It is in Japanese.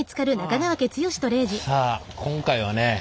さあ今回はね